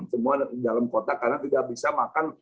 semua di dalam kota karena tidak bisa makan